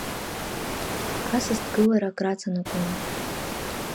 Асасдкылара акраҵанакуан.